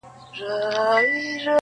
د ربابونو دور به بیا سي -